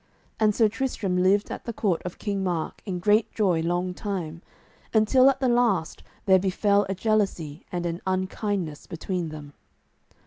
And Sir Tristram lived at the court of King Mark in great joy long time, until at the last there befell a jealousy and an unkindness between them.